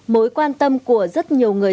mối quan tâm của rất nhiều người